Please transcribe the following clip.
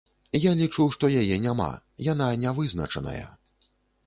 Я лічу, што яе няма, яна не вызначаная.